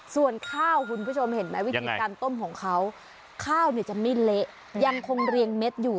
ส่วนข้าวคุณผู้ชมเห็นไหมวิธีการต้มของเขาข้าวเนี่ยจะไม่เละยังคงเรียงเม็ดอยู่